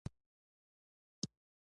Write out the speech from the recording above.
په فارسي نظمونو کې دا قاعده نه شته.